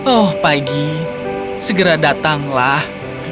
oh pagi segera datanglah